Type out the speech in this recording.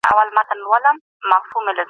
کوم فکرونه د کرکي پر ځای د میني لامل کېږي؟